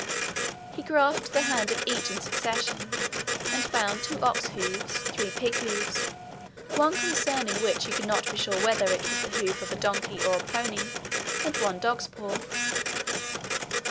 He grasped the hand of each in succession, and found two ox hoofs, three pig hoofs, one concerning which he could not be sure whether it was the hoof of a donkey or a pony, and one dog's paw.